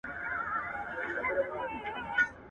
روغتیايي خدمتونه باید ټولو وګړو ته ورسیږي.